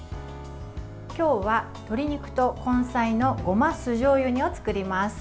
今日は、鶏肉と根菜のごま酢じょうゆ煮を作ります。